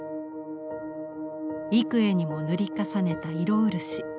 幾重にも塗り重ねた色漆。